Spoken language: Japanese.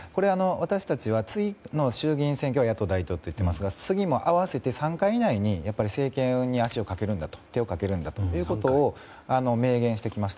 私たちは次の衆議院選挙で野党第１党といっていますが次も合わせて３回以内に政権に手をかけるんだということを明言してきました。